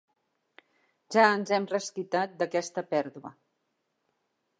Ja ens hem resquitat d'aquesta pèrdua.